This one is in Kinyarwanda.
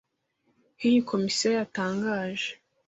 ho iyi komisiyo yatangaje